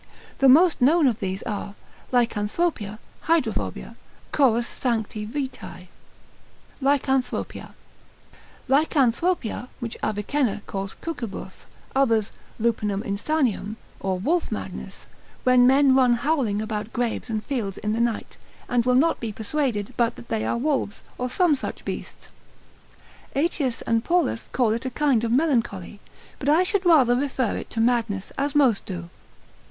The most known are these, lycanthropia, hydrophobia, chorus sancti Viti. Lycanthropia.] Lycanthropia, which Avicenna calls cucubuth, others lupinam insaniam, or wolf madness, when men run howling about graves and fields in the night, and will not be persuaded but that they are wolves, or some such beasts. Aetius and Paulus call it a kind of melancholy; but I should rather refer it to madness, as most do.